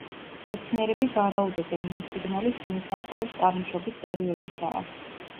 მეცნიერები ვარაუდობენ, რომ სიგნალი ჩვენი სამყაროს წარმოშობის პერიოდისაა.